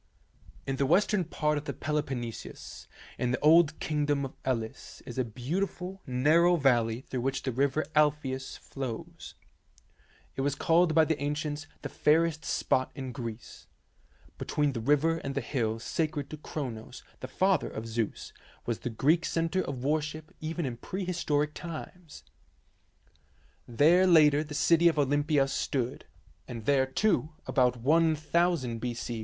In the western part of the Peloponnesus, in the old kingdom of Elis, is a beautiful narrow valley through which the river Alpheus flows. It was called by the ancients 'The Fairest Spot in Greece." Between the river and the hill sacred to Chronos, the father of Zeus, was the Greek centre of worship even in prehistoric times. There 88 THE SEVEN WONDERS later the city of Olympia stood, and there, too, about 1000 B.C.